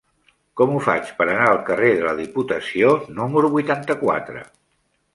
Com ho faig per anar al carrer de la Diputació número vuitanta-quatre?